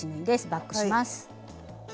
バックします。